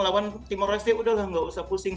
lawan tim oresya ya udahlah gak usah pusing